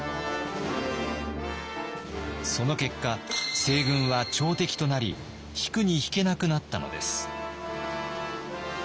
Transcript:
その結果西軍は朝敵となり引くに引けなくなったのです。